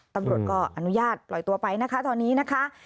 ตำรวจก็อนุญาตปล่อยตัวไปนะคะตอนนี้นะคะ